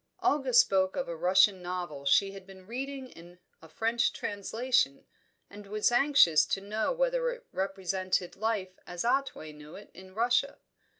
Olga spoke of a Russian novel she had been reading in a French translation, and was anxious to know whether it represented life as Otway knew it in Russia.